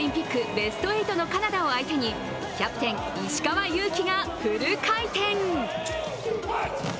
ベスト８のカナダを相手にキャプテン・石川祐希がフル回転。